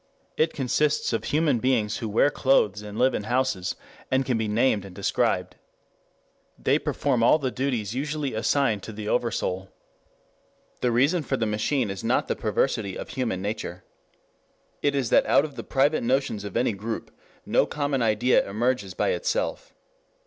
It consists of human beings who wear clothes and live in houses, who can be named and described. They perform all the duties usually assigned to the Oversoul. 5 The reason for the machine is not the perversity of human nature. It is that out of the private notions of any group no common idea emerges by itself.